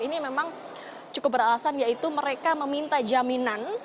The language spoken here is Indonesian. ini memang cukup beralasan yaitu mereka meminta jaminan